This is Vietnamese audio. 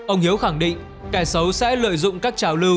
ông hiếu khẳng định kẻ xấu sẽ lợi dụng các trào lưu